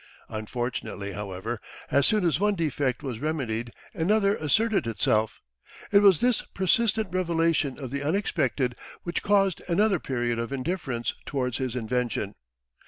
Unfortunately, however, as soon as one defect was remedied another asserted itself. It was this persistent revelation of the unexpected which caused another period of indifference towards his invention.